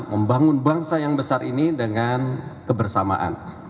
membangun bangsa yang besar ini dengan kebersamaan